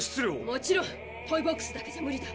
もちろんトイボックスだけじゃムリだ。